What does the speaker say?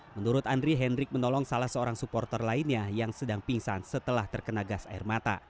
menurut andri hendrik menolong salah seorang supporter lainnya yang sedang pingsan setelah terkenal